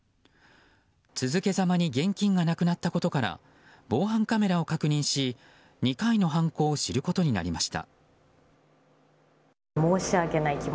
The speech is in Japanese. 続けざまに現金がなくなったことから防犯カメラを確認し２回の犯行を知ることになりました。